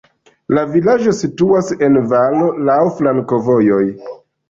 La vilaĝo situas en valo, laŭ flankovojoj.